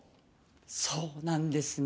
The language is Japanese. そうなんですね。